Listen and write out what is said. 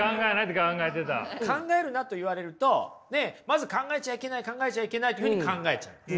考えるなと言われるとまず考えちゃいけない考えちゃいけないっていうふうに考えちゃいます。